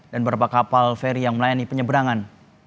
dan berapa kapal feri yang melayani penyeberangan